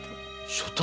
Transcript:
所帯⁉